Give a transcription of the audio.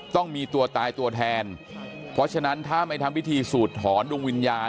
ต้องมีตัวตายตัวแทนเพราะฉะนั้นถ้าไม่ทำพิธีสูดถอนดวงวิญญาณ